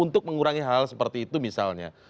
untuk mengurangi hal seperti itu misalnya